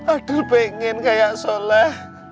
adul pengen kayak sholat